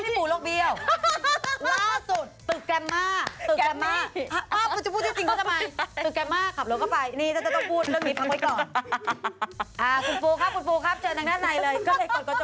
หรือว่าชิคกี้พูโรงเบียว